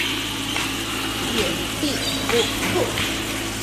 子必不免。